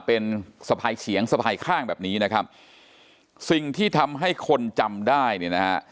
เป็นสะพายเฉียงสะพายข้างแบบนี้นะครับสิ่งที่ทำให้คนจำได้เนี่ยนะฮะ